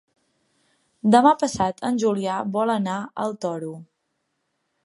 Demà passat en Julià vol anar al Toro.